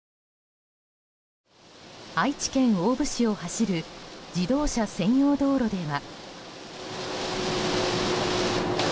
愛知県大府市を走る自動車専用道路では。